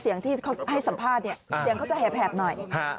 เสียงที่เขาให้สัมภาษณ์เนี่ยเสียงเขาจะแหบหน่อย